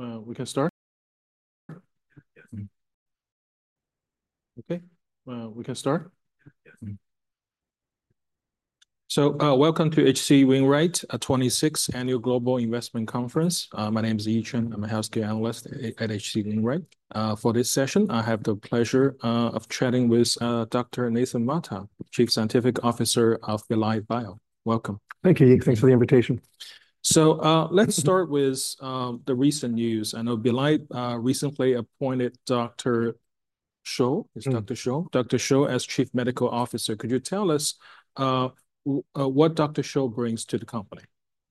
Okay, we can start? Yes. Welcome to H.C. Wainwright, our 26th Annual Global Investment Conference. My name is Yi Chen. I'm a healthcare analyst at H.C. Wainwright. For this session, I have the pleasure of chatting with Dr. Nathan Mata, Chief Scientific Officer of Belite Bio. Welcome. Thank you, Yi. Thanks for the invitation. Let's start with the recent news. I know Belite recently appointed Dr. Scholl-it's Dr. Scholl? Dr. Scholl as Chief Medical Officer. Could you tell us, what Dr. Scholl brings to the company?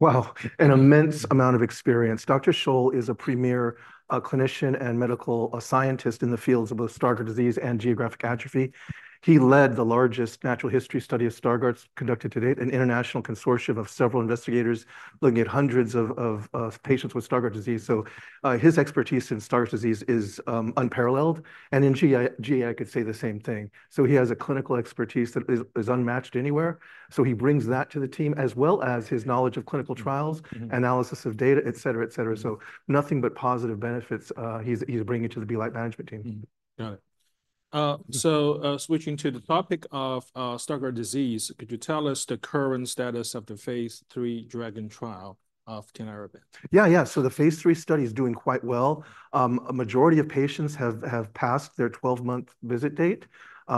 An immense amount of experience. Dr. Scholl is a premier clinician and medical scientist in the fields of both Stargardt disease and geographic atrophy. He led the largest natural history study of Stargardt's conducted to date, an international consortium of several investigators looking at hundreds of patients with Stargardt disease. So, his expertise in Stargardt disease is unparalleled, and in GA, I could say the same thing. So he has a clinical expertise that is unmatched anywhere, so he brings that to the team, as well as his knowledge of clinical trials analysis of data, et cetera, et cetera. So nothing but positive benefits, he's bringing to the Belite management team. Got it. So, switching to the topic of Stargardt disease, could you tell us the current status of the phase III DRAGON trial of Tinlarebant? Yeah, yeah. So the phase III study is doing quite well. A majority of patients have passed their twelve-month visit date.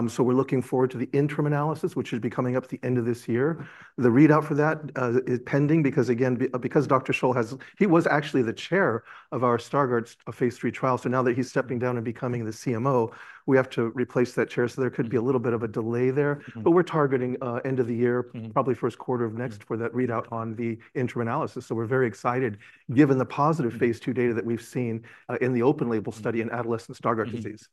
So we're looking forward to the interim analysis, which should be coming up at the end of this year. The readout for that is pending, because, again, because Dr. Scholl has. He was actually the chair of our Stargardt's phase III trial, so now that he's stepping down and becoming the CMO, we have to replace that chair, so there could be a little bit of a delay there. But we're targeting end of the year... probably first quarter of next for that readout on the interim analysis. So we're very excited, given the positive phase II data that we've seen in the open-label study in adolescent Stargardt disease.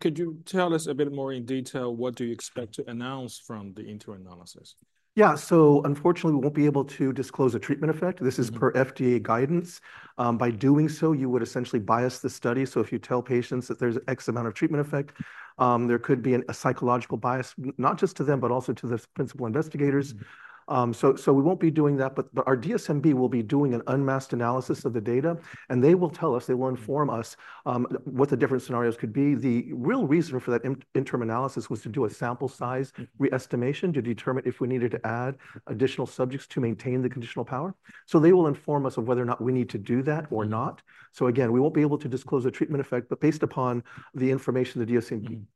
Could you tell us a bit more in detail, what do you expect to announce from the interim analysis? Yeah, so unfortunately, we won't be able to disclose a treatment effect. This is per FDA guidance. By doing so, you would essentially bias the study. So if you tell patients that there's X amount of treatment effect, there could be a psychological bias, not just to them, but also to the principal investigators. So we won't be doing that, but our DSMB will be doing an unmasked analysis of the data, and they will tell us, they will inform us what the different scenarios could be. The real reason for that interim analysis was to do a sample size re-estimation to determine if we needed to add additional subjects to maintain the conditional power. So they will inform us of whether or not we need to do that or not. So again, we won't be able to disclose the treatment effect, but based upon the information the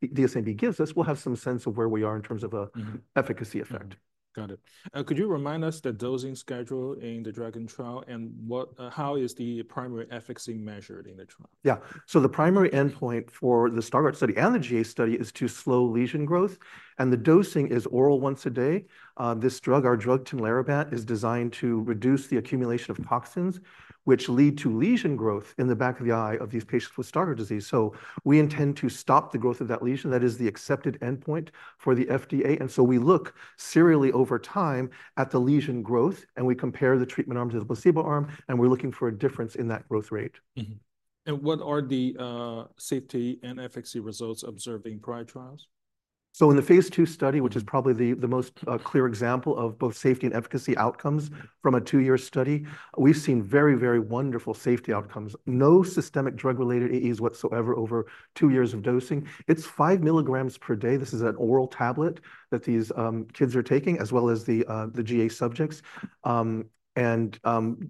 DSMB gives us, we'll have some sense of where we are in terms of a efficacy effect. Got it. Could you remind us the dosing schedule in the DRAGON trial, and what, how is the primary efficacy measured in the trial? Yeah. So the primary endpoint for the Stargardt study and the GA study is to slow lesion growth, and the dosing is oral once a day. This drug, our drug, Tinlarebant, is designed to reduce the accumulation of toxins, which lead to lesion growth in the back of the eye of these patients with Stargardt disease. So we intend to stop the growth of that lesion. That is the accepted endpoint for the FDA, and so we look serially over time at the lesion growth, and we compare the treatment arm to the placebo arm, and we're looking for a difference in that growth rate. Mm-hmm. And what are the safety and efficacy results observed in prior trials? So in the phase II study, which is probably the most clear example of both safety and efficacy outcomes from a two-year study, we've seen very, very wonderful safety outcomes. No systemic drug-related AEs whatsoever over two years of dosing. It's 5 milligrams per day. This is an oral tablet that these kids are taking, as well as the GA subjects. And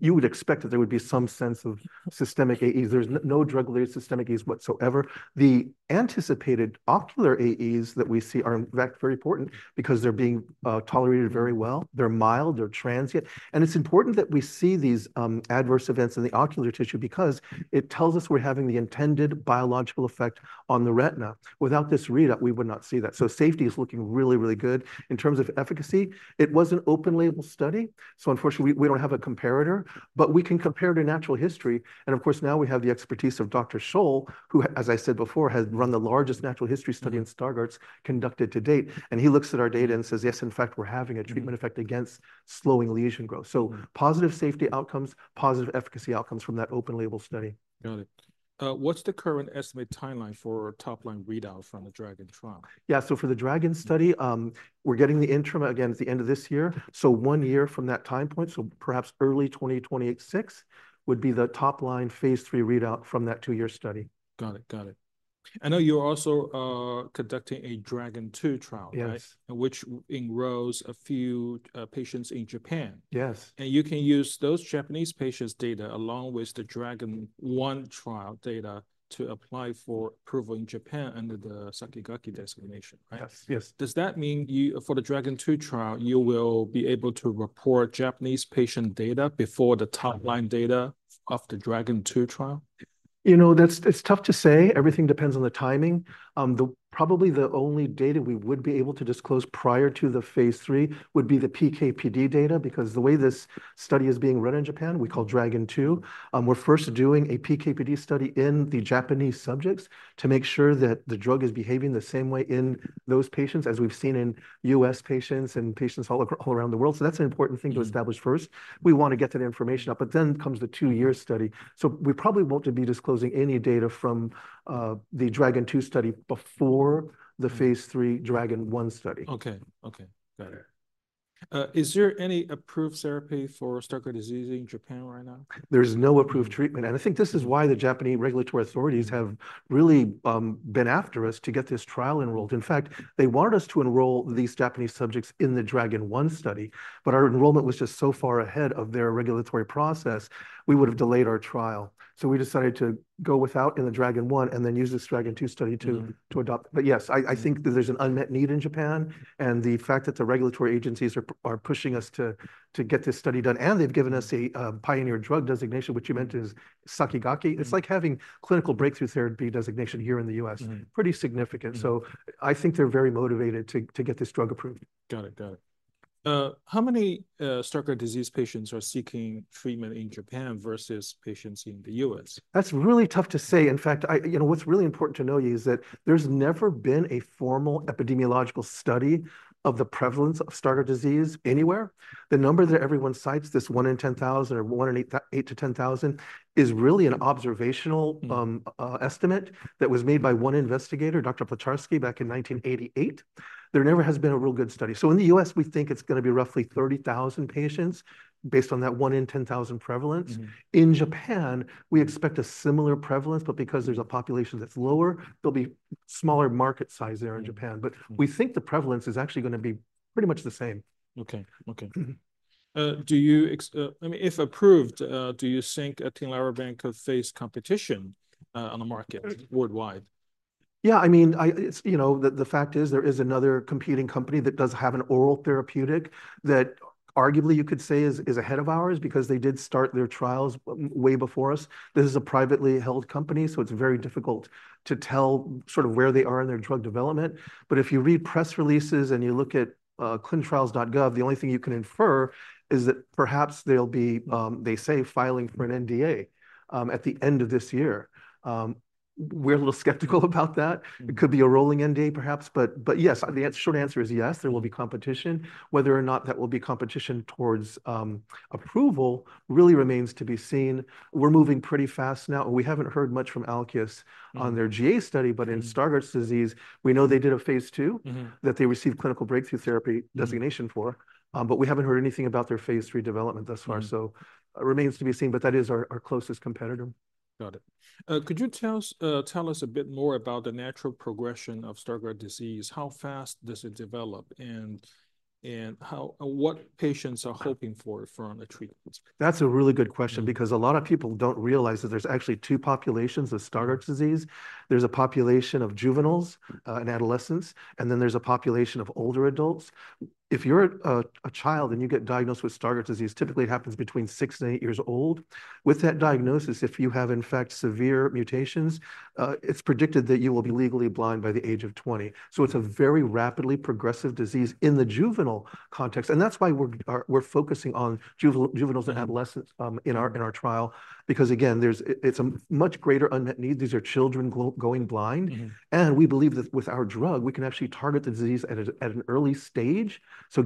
you would expect that there would be some sense of systemic AEs. There's no drug-related systemic AEs whatsoever. The anticipated ocular AEs that we see are, in fact, very important because they're being tolerated very well. They're mild, they're transient, and it's important that we see these adverse events in the ocular tissue because it tells us we're having the intended biological effect on the retina. Without this readout, we would not see that. So safety is looking really, really good. In terms of efficacy, it was an open-label study, so unfortunately, we don't have a comparator, but we can compare to natural history. And of course, now we have the expertise of Dr. Scholl, who, as I said before, has run the largest natural history study in Stargardt's conducted to date. And he looks at our data and says: Yes, in fact, we're having a treatment effect against slowing lesion growth. So positive safety outcomes, positive efficacy outcomes from that open-label study. Got it. What's the current estimated timeline for a top-line readout from the DRAGON trial? Yeah, so for the DRAGON study, we're getting the interim, again, at the end of this year. So one year from that time point, so perhaps early 2026, would be the top-line phase III readout from that two-year study. Got it, got it. I know you're also conducting a DRAGON II trial, right? Yes. Which enrolls a few patients in Japan. Yes. You can use those Japanese patients' data, along with the DRAGON trial data, to apply for approval in Japan under the Sakigake Designation, right? Yes, yes. Does that mean you, for the DRAGON II trial, you will be able to report Japanese patient data before the top line data of the DRAGON II trial? You know, that's- it's tough to say. Everything depends on the timing. Probably the only data we would be able to disclose prior to the phase III would be the PK/PD data, because the way this study is being run in Japan, we call DRAGON II, we're first doing a PK/PD study in the Japanese subjects to make sure that the drug is behaving the same way in those patients as we've seen in U.S. patients and patients all around the world. So that's an important thing to establish first. We want to get that information out, but then comes the two-year study. So we probably won't be disclosing any data from the DRAGON II study before the phase III DRAGON study. Okay, okay. Got it... Is there any approved therapy for Stargardt disease in Japan right now? There's no approved treatment, and I think this is why the Japanese regulatory authorities have really been after us to get this trial enrolled. In fact, they wanted us to enroll these Japanese subjects in the DRAGON study, but our enrollment was just so far ahead of their regulatory process, we would have delayed our trial. So we decided to go without in the DRAGON, and then use this DRAGON II study to to adopt. But yes, I think that there's an unmet need in Japan, and the fact that the regulatory agencies are pushing us to get this study done, and they've given us a Pioneer Drug Designation, which you mentioned is Sakigake. It's like having clinical Breakthrough Therapy designation here in the U.S. Pretty significant. So I think they're very motivated to get this drug approved. Got it, got it. How many Stargardt disease patients are seeking treatment in Japan versus patients in the U.S.? That's really tough to say. In fact, I, you know, what's really important to know is that there's never been a formal epidemiological study of the prevalence of Stargardt disease anywhere. The number that everyone cites, this one in 10,000 or one in eight to 10,000, is really an observational estimate that was made by one investigator, Dr. Podgorski, back in 1988. There never has been a real good study. So in the U.S., we think it's gonna be roughly 30,000 patients, based on that one in 10,000 prevalence. In Japan, we expect a similar prevalence, but because there's a population that's lower, there'll be smaller market size there in Japan. But we think the prevalence is actually gonna be pretty much the same. Okay, okay. I mean, if approved, do you think Tinlarebant could face competition on the market worldwide? Yeah, I mean, you know, the fact is there is another competing company that does have an oral therapeutic, that arguably you could say is ahead of ours because they did start their trials way before us. This is a privately held company, so it's very difficult to tell sort of where they are in their drug development. But if you read press releases and you look at clinicaltrials.gov, the only thing you can infer is that perhaps they'll be, they say, filing for an NDA at the end of this year. We're a little skeptical about that. It could be a rolling NDA, perhaps. But yes, the short answer is yes, there will be competition. Whether or not that will be competition towards approval, really remains to be seen. We're moving pretty fast now, and we haven't heard much from Alkeus on their GA study. But in Stargardt disease, we know they did a phase II- that they received clinical Breakthrough Therapy designation for, but we haven't heard anything about their phase III development thus far. So it remains to be seen, but that is our closest competitor. Got it. Could you tell us a bit more about the natural progression of Stargardt disease? How fast does it develop, and what patients are hoping for from a treatment? That's a really good question because a lot of people don't realize that there's actually two populations of Stargardt's disease. There's a population of juveniles and adolescents, and then there's a population of older adults. If you're a child and you get diagnosed with Stargardt's disease, typically it happens between six and eight years old. With that diagnosis, if you have, in fact, severe mutations, it's predicted that you will be legally blind by the age of 20. So it's a very rapidly progressive disease in the juvenile context, and that's why we're focusing on juveniles and adolescents in our trial. Because, again, it's a much greater unmet need. These are children going blind. We believe that with our drug, we can actually target the disease at an early stage.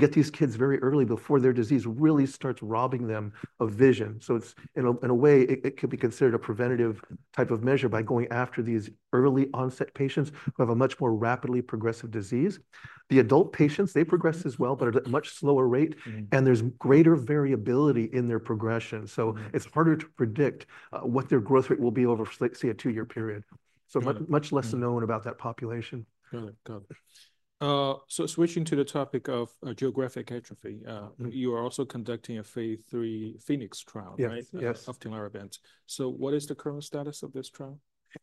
Get these kids very early before their disease really starts robbing them of vision. It's, in a way, it could be considered a preventative type of measure by going after these early-onset patients who have a much more rapidly progressive disease. The adult patients, they progress as well, but at a much slower rate. There's greater variability in their progression. So it's harder to predict what their growth rate will be over, say, a two-year period. So much less is known about that population. Got it, got it. So switching to the topic of geographic atrophy... you are also conducting a phase III PHOENIX trial, right? Yes, yes. Of Tinlarebant, so what is the current status of this trial?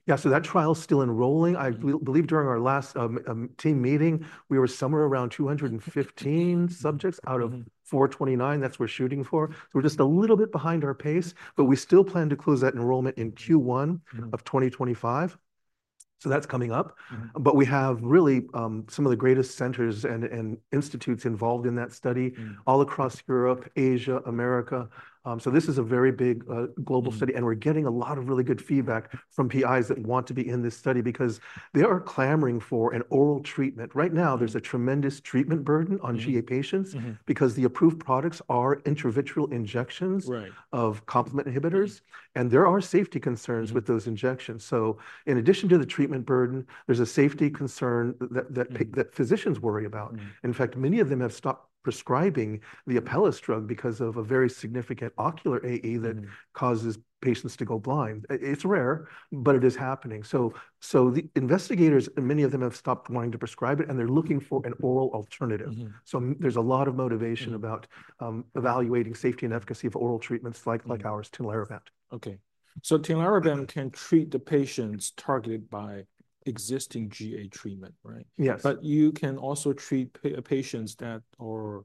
Yeah, so that trial is still enrolling. I believe during our last team meeting, we were somewhere around 215 subjects out of 429, that's what we're shooting for. So we're just a little bit behind our pace, but we still plan to close that enrollment in Q1 of 2025. So that's coming up. But we have really some of the greatest centers and institutes involved in that study all across Europe, Asia, America. So this is a very big, global study and we're getting a lot of really good feedback from PIs that want to be in this study because they are clamoring for an oral treatment. Right now, there's a tremendous treatment burden on GA patients because the approved products are intravitreal injections. Right... of complement inhibitors and there are safety concerns with those injections. So in addition to the treatment burden, there's a safety concern that physicians worry about. In fact, many of them have stopped prescribing the Apellis drug because of a very significant ocular AE that causes patients to go blind. It's rare, but it is happening. So, the investigators, and many of them have stopped wanting to prescribe it, and they're looking for an oral alternative. So there's a lot of motivation about evaluating safety and efficacy of oral treatments like ours, Tinlarebant. Okay. So Tinlarebant can treat the patients targeted by existing GA treatment, right? Yes. But you can also treat patients that are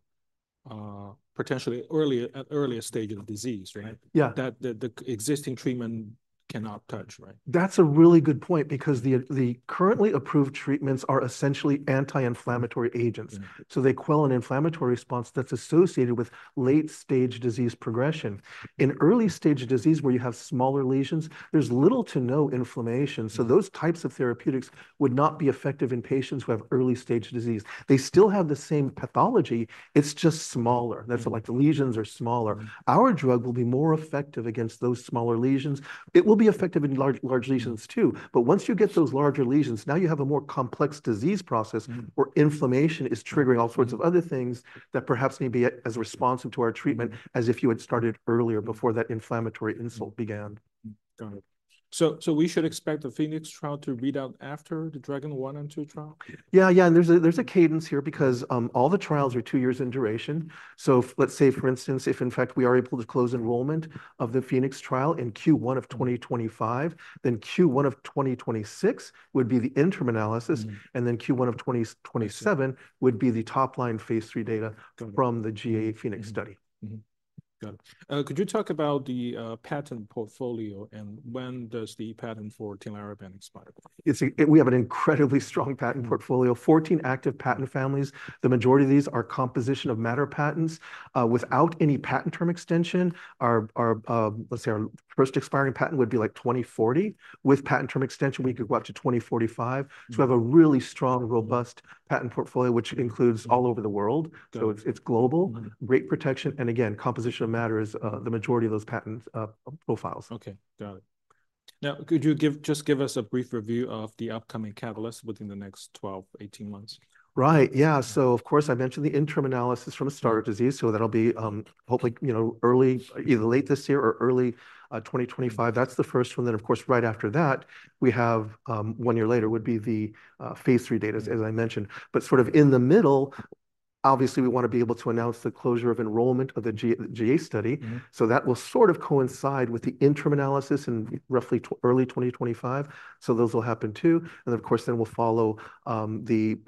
potentially earlier, at earlier stage of the disease, right? Yeah. That the existing treatment cannot touch, right? That's a really good point because the currently approved treatments are essentially anti-inflammatory agents. So they quell an inflammatory response that's associated with late-stage disease progression. In early-stage disease, where you have smaller lesions, there's little to no inflammation. So those types of therapeutics would not be effective in patients who have early-stage disease. They still have the same pathology, it's just smaller. That's like the lesions are smaller. Our drug will be more effective against those smaller lesions. It will be effective in large, large lesions, too. But once you get those larger lesions, now you have a more complex disease process where inflammation is triggering all sorts of other things that perhaps may be as responsive to our treatment as if you had started earlier, before that inflammatory insult began. So, so we should expect the PHOENIX trial to read out after the DRAGON I and II trial? Yeah, yeah. And there's a cadence here because all the trials are two years in duration. So let's say, for instance, if in fact we are able to close enrollment of the PHOENIX trial in Q1 of 2025, then Q1 of 2026 would be the interim analysis, and then Q1 of 2027 would be the top-line phase III data from the GA PHOENIX study. Mm-hmm. Got it. Could you talk about the patent portfolio, and when does the patent for Tinlarebant expire? You see, we have an incredibly strong patent portfolio, 14 active patent families. The majority of these are composition of matter patents. Without any patent term extension, let's say our first expiring patent would be, like, 2040. With patent term extension, we could go out to 2045. We have a really strong, robust patent portfolio, which includes all over the world. Got it. It's global. Great protection, and again, composition of matter is the majority of those patents, profiles. Okay, got it. Now, could you give-- just give us a brief review of the upcoming catalysts within the next 12, 18 months? Right, yeah. So, of course, I mentioned the interim analysis from the Stargardt disease, so that'll be, hopefully, you know, early, either late this year or early 2025. That's the first one. Then, of course, right after that, we have, one year later, would be the phase III data, as I mentioned. But sort of in the middle, obviously, we want to be able to announce the closure of enrollment of the GA study. So that will sort of coincide with the interim analysis in roughly early 2025, so those will happen too. And of course, then we'll follow the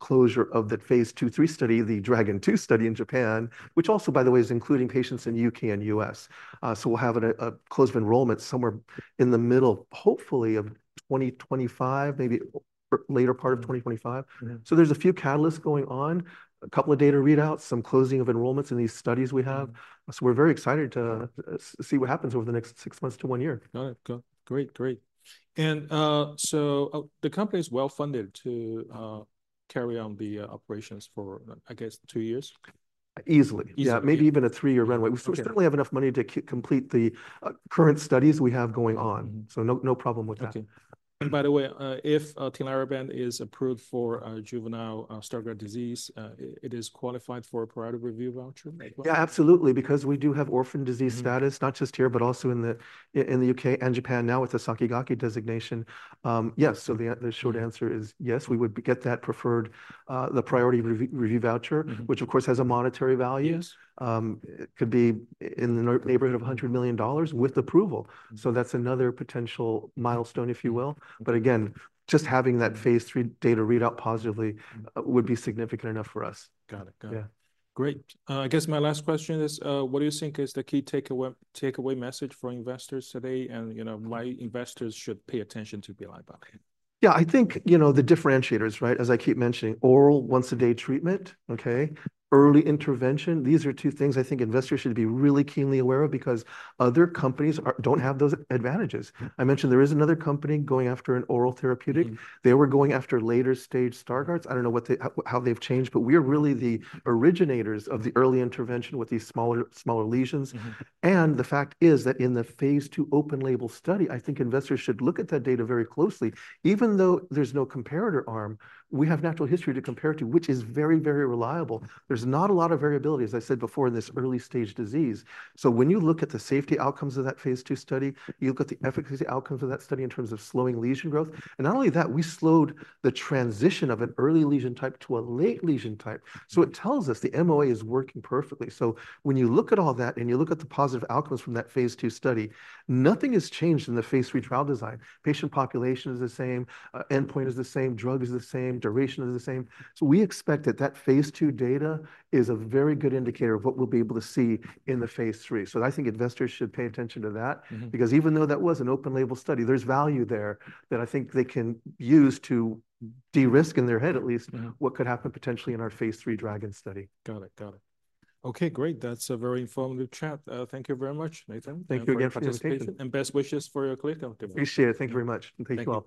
closure of that phase II/III study, the DRAGON II study in Japan, which also, by the way, is including patients in U.K. and U.S. So we'll have a close of enrollment somewhere in the middle, hopefully, of 2025, maybe or later part of 2025. So there's a few catalysts going on, a couple of data readouts, some closing of enrollments in these studies we have. So we're very excited to see what happens over the next six months to one year. Got it. Great. And so the company is well-funded to carry on the operations for, I guess, two years? Easily. Easily. Yeah, maybe even a three-year runway. We certainly have enough money to complete the current studies we have going on. So no, no problem with that. Okay. And by the way, if Tinlarebant is approved for juvenile Stargardt disease, it is qualified for a priority review voucher? Yeah, absolutely, because we do have orphan disease status not just here, but also in the U.K. and Japan now with the Sakigake Designation. Yes, so the short answer is yes, we would get that preferred priority review voucher which of course, has a monetary value. It could be in the neighborhood of $100 million with approval. So that's another potential milestone, if you will. But again, just having that phase III data read out positively would be significant enough for us. Got it. Got it. Great. I guess my last question is, what do you think is the key takeaway, takeaway message for investors today, and, you know, why investors should pay attention to Belite Bio? Yeah, I think, you know, the differentiators, right? As I keep mentioning, oral once-a-day treatment, okay, early intervention. These are two things I think investors should be really keenly aware of because other companies don't have those advantages. I mentioned there is another company going after an oral therapeutic. They were going after later-stage Stargardt's. I don't know what they, how they've changed, but we are really the originators of the early intervention with these smaller, smaller lesions. And the fact is that in the phase II open-label study, I think investors should look at that data very closely. Even though there's no comparator arm, we have natural history to compare to, which is very, very reliable. There's not a lot of variability, as I said before, in this early-stage disease. So when you look at the safety outcomes of that phase II study, you look at the efficacy outcomes of that study in terms of slowing lesion growth, and not only that, we slowed the transition of an early lesion type to a late lesion type. So it tells us the MOA is working perfectly. So when you look at all that and you look at the positive outcomes from that phase II study, nothing has changed in the phase III trial design. Patient population is the same, endpoint is the same, drug is the same, duration is the same. So we expect that that phase II data is a very good indicator of what we'll be able to see in the phase III. So I think investors should pay attention to that. Because even though that was an open-label study, there's value there that I think they can use to de-risk, in their head at least what could happen potentially in our phase III DRAGON study. Got it. Got it. Okay, great. That's a very informative chat. Thank you very much, Nathan. Thank you again for participating. Best wishes for your clinical trial. Appreciate it. Thank you very much, and thank you all.